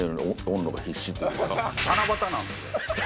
七夕なんですよ。